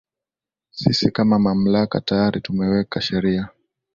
Sisi kama Mamlaka tayari tumeweka sheria